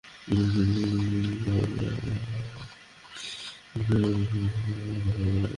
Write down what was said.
অনুষ্ঠানের পরদিন জনপ্রিয়তায় ভেসে যাওয়া পুতুলের কাছে স্থানীয় একজন অটোগ্রাফ চাইতে আসেন।